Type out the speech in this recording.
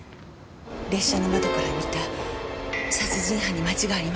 列車の窓から見た殺人犯に間違いありません。